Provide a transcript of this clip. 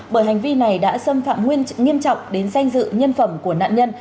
bởi hành vi này đã xâm phạm nguyên nghiêm trọng đến danh dự nhân phẩm của nạn nhân